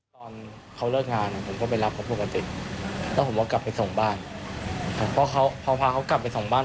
ตอนเขาเลิกงานผมก็ไปรับเขาปกติแล้วผมก็กลับไปส่งบ้าน